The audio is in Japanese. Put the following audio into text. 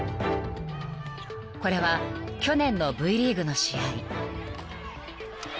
［これは去年のＶリーグの試合］